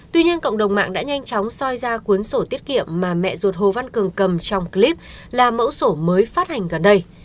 tuy nhiên cộng đồng mạng đã nhanh chóng soi ra cuốn sổ tiết kiệm mà mẹ ruột hồ văn cường cầm trong clip là mẫu sổ mới phát hành gần đây